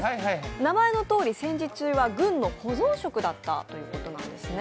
名前のとおり戦時中は軍の保存食だったということなんですね。